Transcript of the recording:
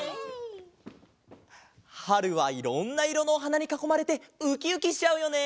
はるはいろんないろのおはなにかこまれてウキウキしちゃうよね。